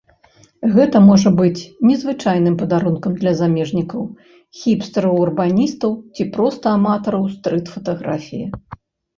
Гэта можа быць незвычайным падарункам для замежнікаў, хіпстараў-урбаністаў ці проста аматараў стрыт-фатаграфіі.